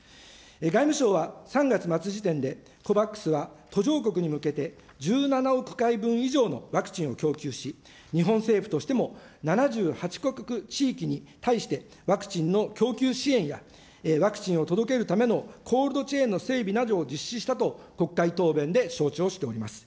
外務省は３月末時点で、ＣＯＶＡＸは途上国に向けて１７億回分以上のワクチンを供給し、日本政府としても７８か国・地域に対してワクチンの供給支援や、ワクチンを届けるためのコールドチェーンの整備などを実施したと国会答弁で承知をしております。